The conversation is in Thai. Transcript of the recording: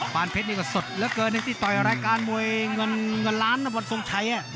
ปานเพชรนี่ก็สดเหลือเกินที่ต่อยรายการมวยเงินล้านบาทส่งชัย